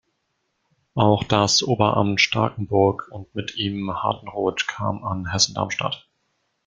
Auch das Oberamt Starkenburg und mit ihm Hartenrod kam an Hessen-Darmstadt.